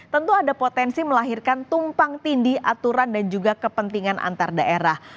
tentu ada potensi melahirkan tumpang tindi aturan dan juga kepentingan antar daerah